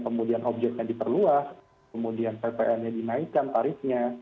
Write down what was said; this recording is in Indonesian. kemudian objeknya diperluas kemudian ppn nya dinaikkan tarifnya